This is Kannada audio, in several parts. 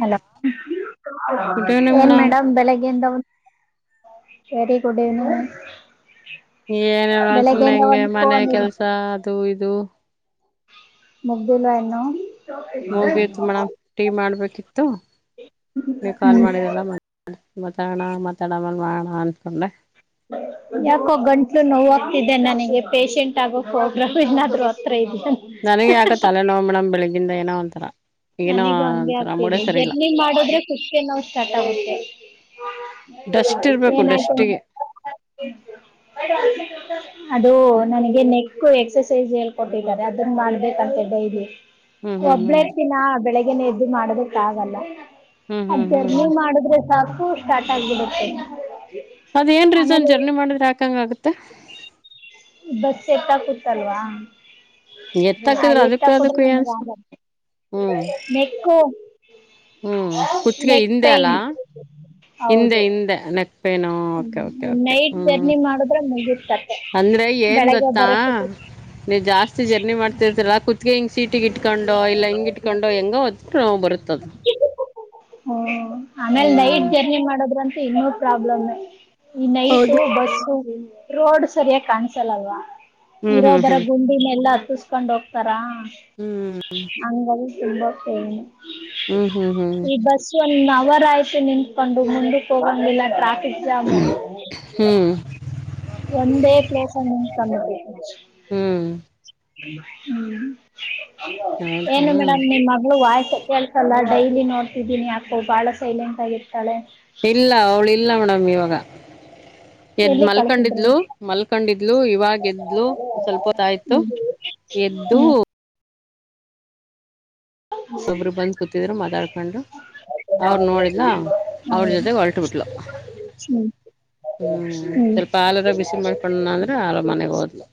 ಹಲೋ ಗುಡ್ ಈವ್ನಿಂಗ್ ಏನ್ ಮೇಡಮ್ ಬೆಳಗ್ಗೆಯಿಂದ. Very good evening. ಏನ್ ಹೇಳ ಸುಮ್ನೆ ಬೆಳಗ್ಗೆಯಿಂದ ಹೆಂಗೆ ಒಂದು ಮನೆ ಫೋನ್ ಕೆಲ್ಸ ಅದು ಇದು. ದು. ಮುಗ್ದಿಲ್ಲ ಇನ್ನು. ಹೋಗತು ಮೇಮ ಟೀ ಮಾಡ್ಬೇಕಿತ್ತು. ತ್ತು ನೀ ಕಾಲ್ ಹ್ಮ್ ಮಾಡರಲ್ಲ ಮಾತಡನಂತ ಮಾತಾಡ. ಮಾಡ್ತಾ ಅನ್ಕೊಂಡೆ. ಯಾಕೋ ಗಂಟ್ಲು ನೋವಾಗ್ತಿದ್ದೆ ನನಗೆ ಪೇಶೆಂಟ್ ಆಗೋ ಪ್ರೋಗ್ರಾಮ್ ಏನಾದ್ರು ಹತ್ರ ಇದಿ ನನಗೆ ಯಾಕ ತಲೆ ನೋವು ಮೇಡಂ ಬೆಳಿ ಇಂದ ಏನೋ ಒಂತರ. ನನಗೂ ಹಂಗೆ ಆಗ್ತಿದೆ ಜರ್ನಿ ಮಾಡಿದ್ರೆ ಕುತ್ತಿಗೆ ನೋವ್ ಸ್ಟಾರ್ಟ್ ಆಗುತ್ತೆ ಡಸ್ಟ್ ಇರ್ಬೇಕು ಡಸ್ಟಿಗೆ [unintelligible] ಅದು ನನಗೆ ನೆಕ್ಕು ಎಕ್ ಕ್ಸಸೈಜ ಹೇಳ್ಕೊಟ್ಟಿದ್ದಾರೆ ಅದನ್ ಮಾಡ್ಬೇಕಂತೆ ಡೈಲಿ. ಹ್ಮ್ ಹ್ಮ್ ಹ್ಮ್. ಹಾ ಬೆಳಿಗ್ಗೆನೆ ಎದ್ದು ಮಾಡೋದಕ್ಕ ಆಗಲ್ಲ. ಹ್ಮ್ ಅದ್ ಹ್ಮ್ ಹ್ಮ್ ಜರ್ನಿ ಮಾಡಿದ್ರೆ ಸಾಕ್ ಕೂ ಸ್ಟಾರ್ಟ್ ಆಗ್ಬಿಡತ್ತೆ. ಅದೇನ್ ರೀಸನ್ ಜರ್ನಿ ಮಾಡಿದ್ರೆ ಯಾಕಂಗ್ ಆಗತ್ತೆ. ಬಸ್ ಸೆಟ್ಟಾಕುತ್ತಲ್ವಾ. ಹಾ ಎತ್ತಕಿದ್ರೆ ಅದಕ್ಕೂ ಎತ್ತಕೂದ್ರೂ ಅದಕ್ಕೂ ಏನ್ ನಂಗ್ ಆಗಲ್ಲ ಹ್ಮ್ ನೆಕ್ಕು ಹ್ಮ್ ಕುತ್ಗೆ ನೆಕ್ ಹಿಂದೆ ಪೈನ್ ಅಲಾ. ಹಿಂದ ಹೌದು ಹಿಂದ ನ ಪೇನು ಓಕೆ ಓಕೆ ನೈಟ್ ಹ್ಮ್ ಜರ್ನಿ ಮಾಡಿದ್ರೆ ಮುಗಿತ್ ಕತೆ ಅಂದ್ರೆ ಏನ್ ಬೆಳಗ್ಗೆ ಗೊತ್ತಾ ಬರೋಷ್ಟೊತ್ತಿಗೆ ನೀವು ಜಾಸ್ತಿ ಜರ್ನಿ ಮಾಡ್ತಿರ್ತೀರ್ಲ ಹ [inaudible] ಸೀಟಿಗ ಇಟ್ಕೊಂಡೋ ಇಲ್ಲ ಹಿಂಗ ಇಟ್ಕೊಂಡೋ ಹೆಂಗೋ [unintelligible] ನೋವ್ ಬರುತ್ತದ. ಹ್ಮೂ. ಆಮೇಲೆ ನೈಟ್ ಜರ್ನಿ ಮಾಡೋದ್ರಂತು ಇನ್ನು ಪ್ರಾಬ್ಲಮ್ಮೇ. ಈ ನೈಟು ಹೌದು ಬಸ್ಸು ರೋಡ್ ಸರಿಯಾಗಿ ಕಾಣ್ಸಲ್ಲ ಅಲ್ವಾ. ಹ್ಮ್ ಹ್ಮ್ ಇರೋಬರೊ ಹ್ಮ್ ಗುಂಡಿನೆಲ್ಲ ತೂಸ್ಕೊಂಡ್ ಹೋಗ್ತಾರಾ. ಹ್ಮ್. ಅಂಗಾಗಿ ತುಂಬಾ ಪೇನು. ಹ್ಮ್ ಹ್ಮ್ ಹ್ಮ್ ಈ ಬಸ್ ಒಂದ್ ಅವರ್ ಆಯ್ತು ನಿಂತ್ಕೊಂಡು ಮುಂದಕ್ಕೆ ಹೋಗಂಗಿಲ್ಲ ಟ್ರಾಫ್ ಎಕ್ಸಾಮ್. ಹ್ಮ್ ಒಂದೇ ಪ್ಲೇಸಲ್ಲಿ ನಿಂತಕಬೇಕು. ಹ್ಮ್ ಹ್ಮ್ ಹೌದಾ ಏನು ಮೇಡಮ್ ನಿಮ್ಮ ಮಗಳು ವಾಯ್ಸ ಕೇಳ್ಸಲ್ಲ. ಡೈಲಿ ನೋಡ್ತಿದ್ದೀನಿ ಯಾಕೋ ಬಾಳ ಸೈಲೆಂಟ್ ಆಗಿರ್ತಾಳೆ. ಇಲ್ಲ ಅವ್ಳು ಇಲ್ಲ ಮೇಡಮ್ ಇವಾಗ. ಎದ್ ಎಲ್ಲಿ ಕಳ್ಸಿದ್ರು ಮಲ್ಕೊಂಡಿದ್ಲು ಮಲ್ಕೊಂಡಿದ್ಲು ಇವಾಗ ಎದ್ಲು ಸ್ವಲ್ಪ ಹೊತ್ತಾಯ್ತು ಹ್ಮ್ ಎದ್ದು. ಹ್ಮ್ ಹ ಹ ಒಬ್ರು ಹ್ಮ ಬಂದ್ ಕೂತಿದ್ರು ಮಾತಾಡ್ಕೊಂಡು ಅವ್ರು ನೋಡಿದ್ಲ ಅವ್ರ ಜೊತೆಗೆ ಹೊಲ್ಟು ಬಿಟ್ಲು ಹ್ಮ್ ಸ್ವಲ್ಪ ಹಾಲರ ಬಿಸಿ ಮಾಡ್ಕೊಂಡಣ ಅಂದ್ರೆ ಹಾಲ ಮನೆಗ್ ಹೋದ್ಲು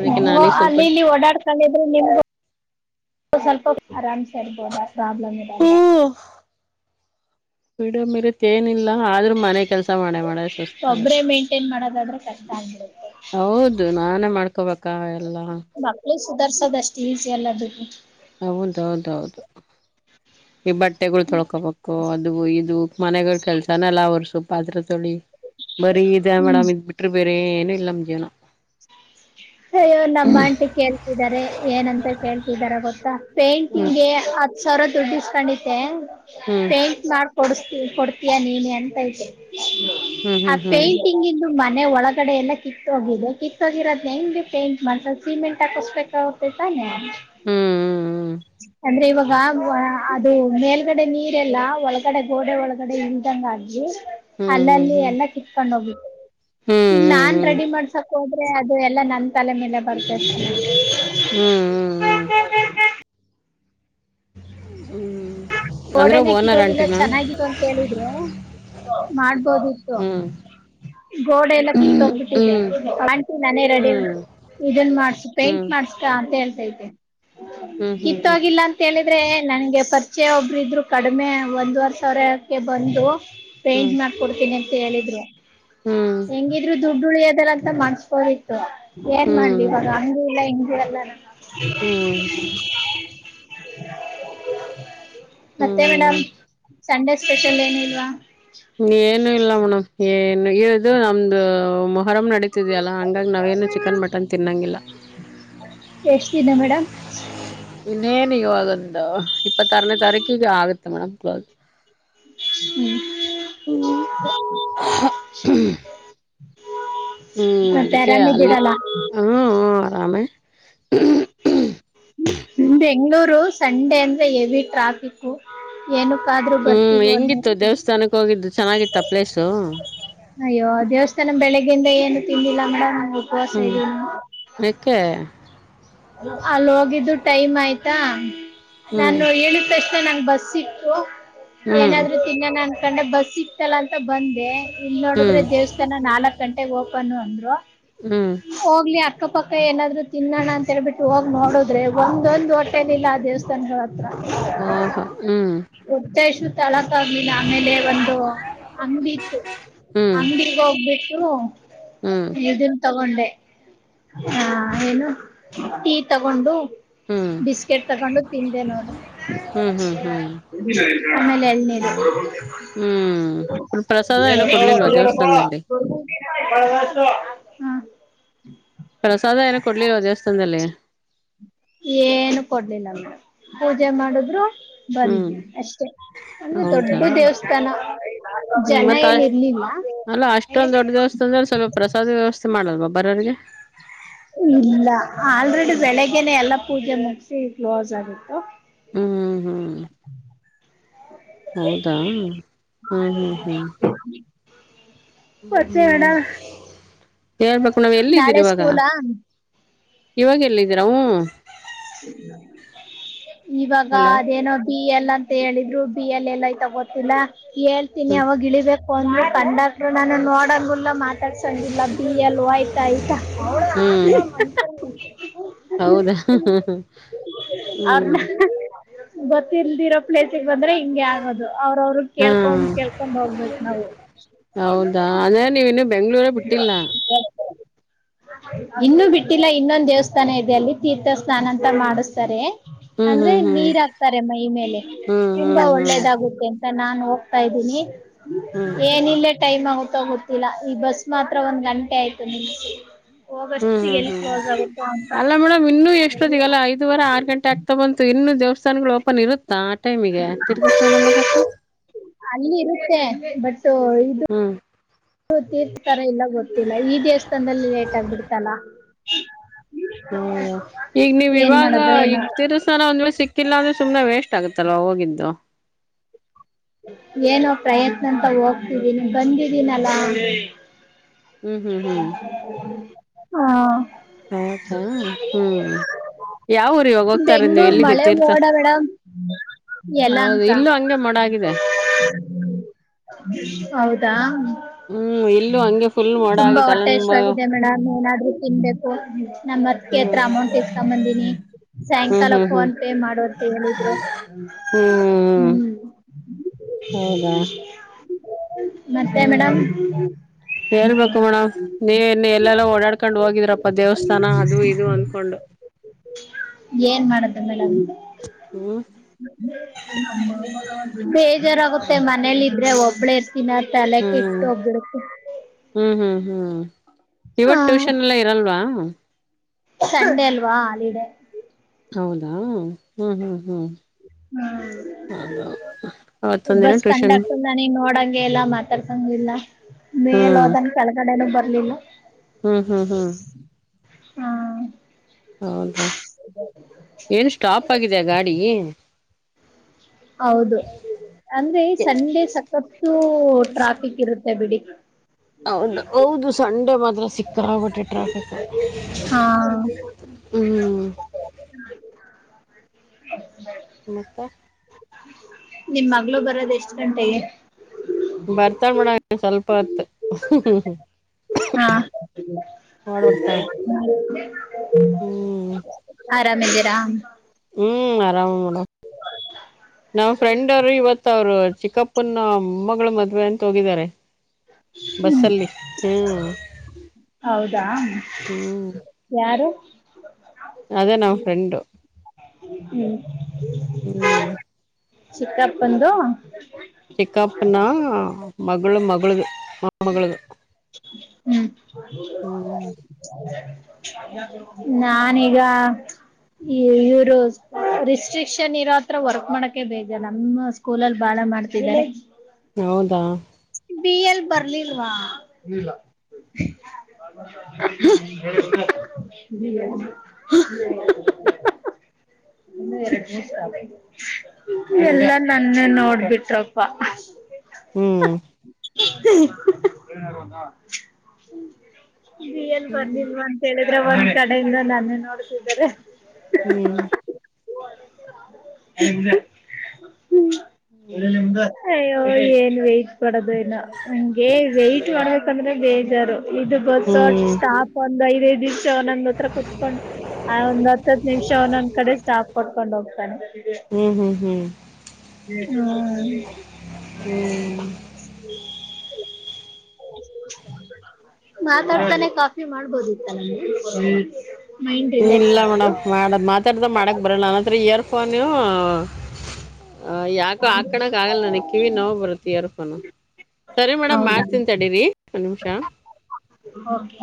ಅದಕ್ಕೆ ಹ್ಮ ನಾನೀಗ ಸ್ವಲ್ಪ ಅಲ್ಲಿ ಇಲ್ಲಿ ಓಡಾಡ್ತೊಂಡಿದ್ರೆ ನಿಮಗು. ಸ್ವಲ್ಪತ್ ಆರಾಮ್ಸೆ. ಬರ್ಬೋದಾ ಪ್ರಾಬ್ಲಮ್ ಇರಲ್ಲ. ಫ್ರೀಡಂ ಇರಕ್ ಏನಿಲ್ಲ ಆದ್ರೂ ಮನೆ ಕೆಲ್ಸ. ಮಾಡೆ ಮಾಡ ಒಬ್ಬರೇ ಸುಸ್ತಾಗತ್ತೆ ಮೇಂಟೇನ್ ಮಾಡೋದಾದ್ರೆ. ಕಷ್ಟ ಆಗಿರೋದು. ಹೌದು ನಾನೇ ಮಾಡ್ಕೋಬೇಕ ಎಲ್ಲಾ. ಎಲ್ಲದಕ್ಕೂ. ಹೌದೌದೌದು ಈ ಬಟ್ಟೆಗಳು ತೊಳ್ಕೋಬೇಕು ಅದು ಇದು ಮನೆಗಳ ಕೆಲ್ಸಾನಲ್ಲ ಅವರು ಸು ಪಾತ್ರೆ. ತೊಳಿ ಬರೀ ಇದೆ ಮೇಡಮ್ ಇದ್ ಬಿಟ್ರಿ ಬೇ ಏನು ಇಲ್ಲ ನಮ್ ಜೀವನ. ಅಯ್ಯೋ ನಮ್ಮ ಇದರ ಗೊತ್ತಾ. ಹ್ಮ್ ಪೇಂಟಿಂಗ್ಗೆ ಹತ್ ಸಾವಿರ ದುಡ್ಡ. ಕಂಡಿತೆ. ಹ್ಮ್ ಪೈಂಟ್ ಮಾಡ ಕೊಡ್ಸ್ತೀ ಕೊಡ್ತೀಯಾ ನೀನೆ ಅಂತೈಐತೆ. ಆ ಹ್ಮ್ ಹ್ಮ್ ಹ್ಮ್ ಹ್ಮ್ ಪೇಂಟಿಂಗಿಂದು. ಮನೆ ಒಳಗಡೆ ಎಲ್ಲ ಕಿತ್ತ ಹೋಗಿದೆ ಕಿ ಕಿತ್ತೋಗಿರೋದ್ನ ಹೆಂಗ ಪೇಂಟ್ ಮಾಡಸ ಸಿಮೆಂಟ್ ಹಾಕಸ್ಬೇಕಾಗುತ್ತೆ ತಾನೆ ಅಂದ್ರೆ ಇವಾಗ ಅದು ಮೇಲ್ಗಡೆ ನೀರೆಲ್ಲಾ ಒಳಗಡೆ ಗೋಡೆ ಒಳಗಡೆ ಇಂಗ್ದಂಗ್ ಆಗಿ. ಹ್ಮ್ ಹ್ಮ್ ಹ್ಮ್ ಹ್ಮ್ ಅಲ್ಲಲ್ಲಿ ಹ್ಮ್ ಹ್ಮ್ ಹ್ಮ್ ಎಲ್ಲ ಕಿತ್ಕೊಂಡ್ ಹೋಗಿತ್ತು. ಹ್ಮ್ ಈಗ ನಾನ್ ರೆಡಿ ಮಾಡ್ಸಕ ಹೋಗಿ. ಆದ್ರೆ ಅದು ಎಲ್ಲಾ ನನ್ ತಲೆ ಮೇಲೆ ಬರ್ತಷ್ಟೆ. ಹ್ಮ್ ಹ್ಮ್ ಹ್ಮ್ ಅಂದ್ರೆ ಗೋಡೆನೆ ಓನರ್ ಕಿತ್ತೋಗಿದ್ರೆ ಅಂಟಿನ ಚೆನ್ನಾಗಿತ್ತು ಅಂತ ಹೇಳಿದ್ರು. ಮಾಡ. ಕಿತ್ತೋಗಿತ್ತು ಹ್ಮ್ ಗೋಡೆ ಎಲ್ಲ ಕಿತ್ಗ್ಬಿಟ್ಟಿದೆ ಹ್ಮ್ ಆಂಟಿ ನಾನೇ ರೆಡಿ ಹ್ಮ್ ಇದನ್ ಮಾಡ್ಸ ಪೇಂಟ್ ಹ್ಮ್ ಮಾಡ್ಸ್ಕಾ ಅಂತ ಹೇಳ್ತಾ. ಹ್ಮ್ [inaudible] ಹ್ಮ್ ಹ್ಮ್ ಕಿತ್ತೋಗಿಲ್ಲ ಹ್ಮ್ ಅಂತ ಹೇಳಿ ಅಂದ್ರೆ ನಂಗೆ ಪ ರಿಚಯ್ ಒಬ್ಬರು ಇದ್ರು ಕಡಿಮೆ ಒಂದುವರೆ ಸಾವಿರಕ್ಕೆ ಬಂದು. ಪೇಂಟ್ ಮಾಡ್ಕೊಡ್ತೀನಿ ಅಂತ. ಹೇಳಿದ್ರು. ಹೆಂಗಿದ್ರು ದುಡ್ ದುಡ್ಡು ಉಳಿಯದೆಲ್ಲ ಅಂತ ಮಾಡ್ಸ್ಕೋದಿತ್ತು. ಏನ್ ಮಾಡ್ಲಿ ಹ್ಮ್ ಹ್ಮ್ ಇವಾಗ ಅಂಗು ಇಲ್ಲ ಇಂಗು. ಎಲ್ಲನ. [inaudible] ಹ್ಮ್ ಮತ್ತೆ ಮೇಡಂ. ಹ್ಮ್ ಸಂಡೇ ಸ್ಪೆಷಲ್ ಏನು ಇಲ್ವ. ಏನು ಇಲ್ಲ ಮೇಡಮ್ ಏ [unintelligible] ದೋ ನಂದು. ಅರಂ ನಡೀತಿದ್ಯಲ್ಲ ಹಂಗಾಗಿ ನಾವೇನು ಚಿಕನ್ ಮಟನ್ ತಿನ್ನಂಗಿಲ್ಲ ಎಷ್ಟ್ ದಿನ ಮೇಡಮ್ ಇನ್ನೇನು. ಅಯ್ಯೋ ಅದೊಂದು ಇಪ್ಪತ್ತಾರನೇ ತಾರೀಕಿಗೆ ಆಗುತ್ತೆ ಮೇಡಂ ಕ್ಲೋಸ್. ಹ್ಮ್ ಹ್ಮ್ [inaudible] ಹ್ಮ್ ಮತ್ತೆ ಅದಕ್ಕೆ ಅಲ್ಲಿ ಆರಾಮಿದ್ದೀರಲ್ಲ ಹ್ಮ್ ಆರಾಮೇ. [unintelligible] ಹ್ಮ ಬೆಂಗ್ಗಳೂರು ಸಂಡೆ ಅಂದ್ರೆ ಎವಿ ಟ್ರಾಫಿಕ್ ಏನು. ಹ್ಮ್ ಹೆಂಗಿತ್ತು ದೇವಸ್ಥಾನಕ್ಕೆ ಹೋಗಿದ್ದು. ಚೆನ್ನಾಗಿತ್ತ ಪ್ಲೇಸು. ಅಯ್ಯೋ ದೇವಸ್ಥಾನ ಬೆಳಿಗ್ಗೆಯಿಂದ ಏನು ತಿಂದಿಲ್ಲ ಮೇಡಮ್. ಉಪವಾಸ ಹ್ಮ್ ಇದ್ದೀನಿ ಯಾಕೆ. ಅಲ್ಲಿ ಹೋಗಿದ್ದು ಟೈಮ್ ಆಯ್ತಾ. ಹ್ಮ್ ನಾನು ಹೇಳುತ್ತಷ್ಟ. ನಂ ಬಸ್ ಸಿಕ್ತು. ಹ್ಮ್ ಏನಾದ್ರು ತಿನ್ನಾನ. ಕಂಡೆ ಬಸ್ ಸಿಗ್ತಲ್ಲ ಅಂತ ಬಂದೆ. ಇನ್ ಹ್ಮ್ ನೋಡಿದ್ರೆ ದೇವಸ್ಥಾನ ನಾಲ್ಕ್ ಗಂಟೆ. ಓಪನ್ ಅಂದ್ರು. ಹ್ಮ್ ಹೋಗ್ಲಿ ಆ. ಅಕ್ಕಪಕ್ಕ ಏನಾದ್ರು ತಿನ್ನೋಣ. ತರ ಬಿಟ್ಟು ಹೋಗಿ ನೋಡುದ್ರೆ ಒಂದೊಂದ್ ಹೊಟ್ಟೆಲ್ ಇಲ್ಲ ಆ ದೇವಸ್ಥಾನ ಧ್ವಳ್ಗೆ. ಆಹಾ ಹ್ಮ್ ಹೊಟ್ಟೆ ಹಸಿವು ತಳಕ ಆಗ್ಲಿಲ್ಲ ಆಮೇಲೆ ಒಂದು ಅಂಗಡಿ ಇತ್ತು ಹ್ಮ್ ಅಂಗಡಿಗೆ ಹೋಗ್ಬಿಟ್ಟು. ಹ. ಹ್ಮ್ ಎದ. [unintelligible] ತಗೊಂಡೆ ಹಾ ಏನು. ಟೀ ತಗೊಂಡು. ಹ್ಮ್ ಬಿಸ್ಕೆಟ್ ತಗೊಂಡು ತಿಂದೆ ನೋಡು ಹ್ಮ್ ಹ್ಮ್ ಹ್ಮ್ ಆಮೇಲೆ ಎಳನೀರು. ಹ್ಮ್ ಹ್ಮ್ ಪ್ರಸಾದ ಏನು ಕೊಡ್ಲಿಲ್ವಾ ದೇವಸ್ಥಾನದಲ್ಲಿ [unintelligible] [inaudible] ಪ್ರಸಾದ ಏನ ಕೊಡ್ಲಿವ ದೇವಸ್ಥಾನದಲ್ಲಿ. ಏನು ಕೊಡ್ಲಿಲ ಮೇಡಂ ಪೂಜೆ ಮಾಡುದ್ರು. ಹ್ಮ್ ಬಂದವಿ ಅಷ್ಟೇ ಅಂದ್ರೆ ದೊಡ್ಡ ಹೌದಾ ದೇವಸ್ಥಾನ ಹ್ಮ್ ಜನ ಮತ್ತ ಏನ ಅಷ್ಟ ಇರ್ಲಿಲ್ಲ. ಅಲ್ಲ ಮಾಡ್ಲಲ್ವ ಬರೋರಿಗೆ. ಇಲ್ಲ ಆಲ್ರೆಡಿ ಬೆಳಗ್ನೆ ಎಲ್ಲಾ ಪೂಜೆ ಮುಗಿಸಿ ಕ್ಲೋಸ್ ಆಗಿತ್ತು. ಹ್ಮ್ ಹ್ಮ್ ಹ್ಮ್. ಹೌದಾ ಹ್ಮ್ ಹ್ಮ್ ಹ್ಮ್. ಮತ್ತೆ ಮೇಡಮ ಹೇಳ್ಬೇಕು ನಾವ್ ಎಲ್ಲಿದ್ದೀರಿ ನಾಳೆ ಇವಾಗ ಸ್ಕೂಲಾ. ಇವಾಗ ಎಲ್ಲಿದ್ದೀರವು. ಇವಾಗ ಹಲೋ ಅದೇನೋ ಡಿಎಲ್ ಎಲ್ಲ ಅಂತ ಹೇಳಿದ್ರು. ಡಿಎಲ್ ಎಲ್ಲಿ ಎಲ್ಲ ಆಯ್ತಾ ಗೊತ್ತಿಲ್ಲ. ಹೇಳ್ತೀನಿ ಹ್ಮ್ ಅವಾಗ ಇಳಿಬೇಕ. ಕಂಡಕ್ಟರ್ ನನ್ನನ್ ನೊಡ್. ನಡಂಗಲ್ಲ ಮಾತಾಡ್ಸಂಗಿಲ್ಲ ಡಿ ಎಲ್ ಹೋಯ್ತಾ. ಟ ಆಯ್ತಾ. ಹ್ಮ್ [unintelligible] ಹ ಹ್ಮ್ ಗೊತ್ತಿಲ್ದಿರೋ ಪ್ಲೇಸಿಗೆ ಬಂದ್ರೆ ಹಿಂಗೆ ಆಗೋದು. ಅವ್ರವರು ಹಾ ಕೇಳ್ಕೊಂಡ ಕೇಳ್ಕೊಂಡ್ ಹೋಗ್ಬೇಕು ನಾವು. ಬೆಂಗ್ಳೂರೆ ಬಿಟ್ಟಿಲ್ಲ. ಇನ್ನು ಬಿಟ್ಟಿಲ್ಲ ಇನ್ನೊಂದ ದೇವಸ್ಥಾನ ಇದೆ ಅಲ್ಲಿ ತೀರ್ಥ ಸ್ನಾನ ಅಂತ ಮಾಡಿಸ್ತಾರೆ. ಹ್ಮ್ ಅಂದ್ರೆ ಹ್ಮ್ ನೀರ್ ಹ್ಮ್ ಹಾಕ್ತಾರೆ ಮೈ ಮೇಲೆ ಹ್ಮ್ ತುಂಬಾ ಹ್ಮ್ ಹ್ಮ್ ಒಳ್ಳೇದಾಗುತ್ತೆ. ನಾನು ಹೋಗ್ತಾ ಇದ್ದೀನಿ. ಹ್ಮ್ ಏನಿಲ್ಲೇ ಟೈಮ್ ಆಗುತ್ತ. ತಿಲ್ಲ ಗೊತ್ತಿಲ್ಲ ಈ ಬಸ್. ಮಾತ್ರ ಒಂದ್ ಗಂಟೆ ಆಯ್ತು ನಿಲ್ಲಿಸಿ. ಹ್ಮ್ ಹ್ಮ್ ಹ್ಮ್ ಅಲ್ಲಾ ಮೇಡಮ್ ಇನ್ನು ಎಷ್ಟೊದಗಲ್ಲ ಐದ್ ವಾರ ಆರ್ ಗಂಟೆ ಆಗ್ತಾ ಬಂತು ಇನ್ನು. ದೇವಸ್ಥಾನಗಳು ಓಪನ್ ಇರುತ್. ತ್ತ ಆ ಟೈಮಿಗೆ ತೀರ್ಥ ಸ್ನಾನ ಮಾಡಕ್ಕೆ. ತ್ತೆ ಬಟ್. ಸೊ ಇದು ಹ್ಮ್ ತೀರ್ಥ ತರ ಇಲ್ಲ ಗೊತ್ತಿಲ್ಲ ಈ ದೇವಸ್ಥಾನದಲ್ಲಿ ಲೇಟ್ ಆಗ್ಬಿಡ್ತಲ್ಲ. [inaudible] ಅಯ್ಯೋ ಈಗ ನೀವ್ ಏನ್ ಇವಾಗ ಮಾಡೋದು ಈಗ ಏನೋ ತಿರ್ಸ್ತಾನ ಒಂದ್ ವೇಳೆ ಸಿಕ್ ಕ್ಕಿಲ್ಲ ಅಂದ್ರೆ ಸುಮ್ನೆ ವೇಸ್ಟ್ ಆಗುತ್ತಲ್ವ ಹೋಗಿದ್ದು. ಏನೋ ಪ್ರಯತ್ನ ಅಂತ ಹೋಗ್ತಿದೀನಿ ಬಂದಿದೀನಲ್ಲಾ. ಹ್ಮ್ ಹ್ಮ್ ಹ್ಮ್ ಹಾ ಹ್ಮ್ ಹೌದು ಯಾವಊರು ಇವಾಗ ಹೋಗ್ತಾರ ನೀವು ಬೆಂಗ್ಳೂರ್ ಎಲ್ಲಿಗೆ ಮಳೆ ತೀರ್ಥ ಮೋಡ ಮೇಡಮ್ ಹೌದು ಯಲಹಂಕ ಇಲ್ಲೂ ಹಂಗೆ ಮೋಡಗಿದೆ. ದಾ. ಹ್ಮ್ ಇಲ್ಲೂ ಹಂಗೆ. ಫುಲ್ ಮೋಡ ತುಂಬಾ ಆಗಿತ್ತಲ್ಲ ನಮ್ಮ ಹೊಟ್ಟೆಹಶಿವು ಆಗಿದೆ ಮೇಡ್ ಏನಾದ್ರೂ ತಿನ್ಬೇಕು ನಮ್ಮ ಅತ್ತೆ ಹ್ಮ್ ಹತ್ರ ಅಮೌಂಟ್ ಇಸ್ಕೊಂಡ ಬಂದೀನಿ ಹ್ಮ್ ಸಾಯಂಕಾಲ ಹ್ಮ್ ಹ್ಮ್ ಫೋನ್ ಪೇ ಮಾಡೋಂತ ಹೇಳಿದ್ರು ಹ್ಮ್ ಹ್ಮ. ಹೌದಾ ಮತ್ತೆ ಹ್ಮ್ ಮೇಡಮ್. ಹೇಳ್ಬೇಕು ಮೇಡಮ್ ನೀವನ್ನು ಎಲ್ಲಲ್ಲ ಓಡಾಡ್ಕೊಂಡ್ ಹೋಗಿದ್ರಪ್ಪ ದೇವಸ್ಥಾನ ಅದು ಇದು ಅನ್ಕೊಂಡು. [inaudible] [unintelligible] [inaudible] ಹ್ಮ್ ಬೇಜಾರಾಗುತ್ತೆ ಮನೆಯಲ್ಲಿ ಇದ್ರೆ ಒಬ್ಬಳೆ ದಿನ ತಲೆಕ ಹ್ಮ್ ಕೆಟ್ಟೋಗ್ಬಿಡತ್ತೆ ಹ್ಮ್ ಹ್ಮ್ ಹ್ಮ್ ಇವತ್ ಟ್ಯೂಷನ್ ಎಲ್ಲ ಇರಲ್ವಾ ಸಂಡೇ ಅಲ್ವಾ ಹಾಲಿಡೇ ಹೌದಾ ಹ್ಮ್ ಹ್ಮ್ ಹ್ಮ್ ಹ್ಮ್ ಅವತ್ತೊಂದ ದಿನ ಟ್ಯೂಷನ್ ಹಗೆ ಎಲ್ಲ ಮಾತಾಡ್ಸೋಂಗಿಲ್ಲ ಹ್ಮ್ ಮೇಲೆೋದನ್ ಕೆಳಗಡೆ ಏನು ಬರುತ್ತೆ ಅಲ್ಲೇನು ಹ್ಮ್ ಹ್ಮ್ ಹ್ಮ್ ಹಾ ಹೌದಾ ಎಲ್ಸ್ಟಾಪ್ ಆಗಿದೆ ಗಾಡಿ ಹೌದು ಅಂದ್ರೆ ಸಂಡೆ ಸಕತ್ತು ಟ್ರಾಫಿಕ್ ಇರುತ್ತೆ ಬಿಡಿ ಹೌದು ಹೌದು ಸಂಡೆ ಮಾತ್ರ ಸಿಕ್ಕಾಪಟ್ಟೆ ಟ್ರಾಫಿಕ್ ಹಾ ಹ್ಮ [unintelligible] ಮತ್ತ ನಿಮ್ಮ ಮಗಳು ಬರೋದು ಎಷ್ಟ್ ಗಂಟೆಗೆ ಬರ್ತಾಳ ಮಡ ಸ್ವಲ್ಪ ಹೊತ್ ಹ್ಮ ಹಾ ಮಾಡ್ ಬರ್ತಾಳೆ ಹ್ಮ್ ಆರಾಮಿದ್ದೀರಾ ಹ್ಮ್ ಆರಾಮ ನೋಡ ನಮ್ಮ್ ಫ್ರೆಂಡ್ ಅವರು ಇವತ್ ಅವರು ಚಿಕ್ಕಪ್ಪನ ಮೊಮ್ಮಗಳು ಮದ್ವೆ ಅಂತ ಹೋಗಿದ್ದಾರೆ ಬಸ್ಸಲ್ಲಿ ಹ್ಮ್ ಹೌದಾ ಹ್ಮ್ ಯಾರು ಅದೇ ನಮ್ಮ ಫ್ರೆಂಡು ಹ್ಮ್ ಹ್ಮ್ ಚಿಕ್ಕಪ್ಪಂದು ಚಿಕಪ್ನ. ಮಗಳು ಮಗಳ್ದ ಮೊಮ್ಮಗ್ಳದು. ಹ್ಮ್ ನಾನೀಗ ಇವ್ರು ರಿಸ್ಟ್ರಿಕ್ಷನ್ ಇರೋ ಹತ್ರ ವರ್ಕ್ ಮಾಡಕ ಬೇಜಾರ್ ನಮ್ಮ ಸ್ಕೂಲಲ್ಲಿ ಬಾಳ ಮಾಡ್ತಿದ್ದಾರೆ. ಹೌದಾ ಬಿ ಎಲ್ ಬರ್ಲಿಲ್ವಾ ಇಲ್ಲ. ಎಲ್ಲಾ ನನ್ನೇ ನೋಡ್ಬಿಟ್ರಪ್ಪ. ಹ್ಮ್ [inaudible] ಬಿ ಏಲ್ ಹ್ಮ್ ಬರ್ಲಿಲ್ಲ ಅಂತ ಹೇಳಿ. ಇ್ರ ಒ ಕಡೆಯಿಂದ ನನ್ನೆ ನೋಡತ್ತಿದ್ದರೆ. ಹ್ಮ್ ಹ್ಮ ಹ್ಮ್ ಹ್ಮ ಏನ್ ವೈ್ಟ್ ಮಾಡೋದು ಇನ್ನ ನಂಗೆ ವೈ್ಟ್ ಮಾಡ ಅಂದ್ರೆ ಬೇಜಾರು. ಇದು ಬಸ್ ಹ್ಮ್ ಸ್ಟಾಪ್ ಒಂದ ಐದ್ಯದ. ಅವನೊಂದ್ ಹತ್ರ ಕುೂತ್ಕೊಂಡ್ ಆ ಒಂದ್ ಹತ್ತ್ ನಿಮ್ಷ ಅವನೊಂದ್ ಕಡೆ ಸ್ಟಾಪ್ ಕೊಟ್ಕೊಂಡ್ ಹೋಗ್ತಾನೆ ಹ್ಮ್ ಹ್ಮ್ ಹ್ಮ್ ಹ್ಮ. ಮಾತಾಡ್ತಾನೆ ಕಾಫಿ ಮಾಡ್ಬೋದಿತ್ತ ಮೇಡಮ್. ಏ ಇಲ್ಲ ಮೇಡಮ್ ಮಾಡ ಮಾತಾಡ್ದ ಮಾಡಕ್ ಬರಲ್ಲ ನನ್ನತ್ರ ಏರ್ ಫೋನು ಹ ಯಾಕೋ ಆಕಣಕ್ ಆಗಲ್ಲ ನನ ಕಿವಿ ನೋವು ಬರುತ್ತ ಎರ್ಫೋನು ಸರಿ ಮೇಡಮ್ ಹೌದಾ ಮಾಡ್ತಿನ್ ತಡೀರಿ ಒಂದ ನಿಮಿಷ. ಓಕೆ